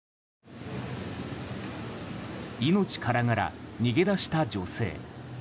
命からがら逃げ出した女性。